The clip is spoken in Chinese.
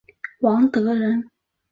王德人。